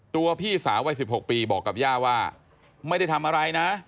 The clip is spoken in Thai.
พี่สาววัย๑๖ปีบอกกับย่าว่าไม่ได้ทำอะไรนะ